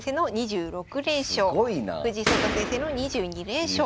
藤井聡太先生の２２連勝。